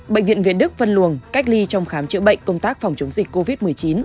bệnh viện việt đức phân luồng cách ly trong khám chữa bệnh công tác phòng chống dịch covid một mươi chín